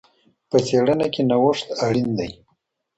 په څېړنه کي نوښت اړین دئ.